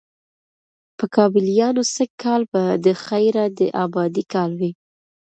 په کابليانو سږ کال به د خیره د آبادۍ کال وي،